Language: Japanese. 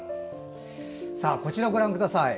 こちら、ご覧ください。